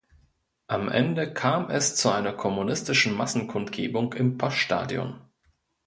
Am Ende kam es zu einer kommunistischen Massenkundgebung im Poststadion.